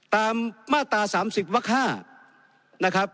ตามมาตรา๓๐วัคห้า